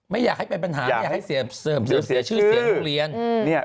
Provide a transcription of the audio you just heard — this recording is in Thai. ไม่อยากให้เป็นปัญหาไม่อยากให้เสียชื่อเสียทุกเรียน